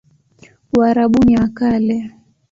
Uarabuni wa Kale